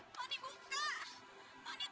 tony jangan tinggalin aku